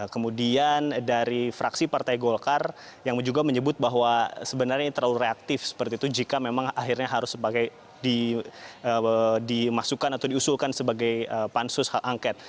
kemudian dari fraksi partai golkar yang juga menyebut bahwa sebenarnya terlalu reaktif seperti itu jika memang akhirnya harus dimasukkan atau diusulkan sebagai pansus hak angket